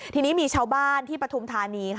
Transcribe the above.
ทีนี้มีชาวบ้านที่ปฐุมธานีค่ะ